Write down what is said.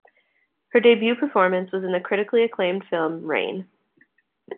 Her debut performance was in the critically acclaimed film "Rain".